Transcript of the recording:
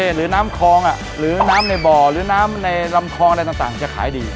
หรือน้ำคลองหรือน้ำในบ่อหรือน้ำในลำคลองอะไรต่างจะขายดี